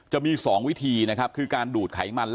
ด้วยความที่คุณหมออยู่เยอะแล้วนะคะคุณหมอก็ส่วนใหญ่คุณหมอไม่ค่อยทำเองค่ะ